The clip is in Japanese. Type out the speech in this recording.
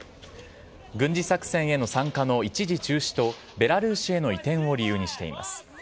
軍事作戦への参加の一時中止とベラルーシへの移転を理由にしています。